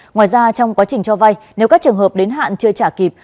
ngoài ra trong quá trình cho vay nếu các trường hợp đến hạn chưa trả kịp